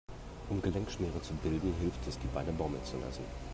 Um Gelenkschmiere zu bilden, hilft es, die Beine baumeln zu lassen.